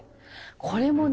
これもね。